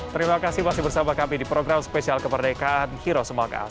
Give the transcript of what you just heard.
terima kasih masih bersama kami di program spesial kemerdekaan hero semoga